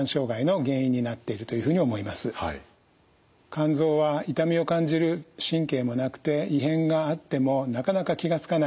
肝臓は痛みを感じる神経もなくて異変があってもなかなか気が付かないというようなことがあります。